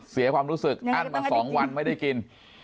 เสียความรู้สึกอั้นมา๒วันไม่ได้กิน